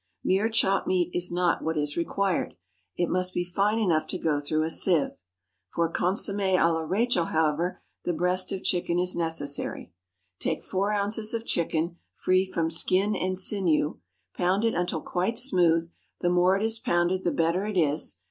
Mere chopped meat is not what is required; it must be fine enough to go through a sieve. For Consommé à la Rachel, however, the breast of chicken is necessary. Take four ounces of chicken, free from skin and sinew; pound it until quite smooth; the more it is pounded the better it is.